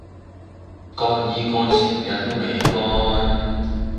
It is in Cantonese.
乾衣乾成日都未乾